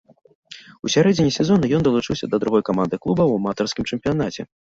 У сярэдзіне сезона ён далучыўся да другой каманды клуба ў аматарскім чэмпіянаце.